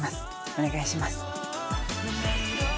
お願いします。